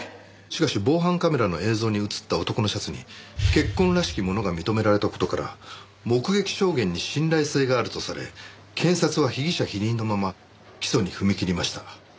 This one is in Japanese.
しかし防犯カメラの映像に映った男のシャツに血痕らしきものが認められた事から目撃証言に信頼性があるとされ検察は被疑者否認のまま起訴に踏み切りました。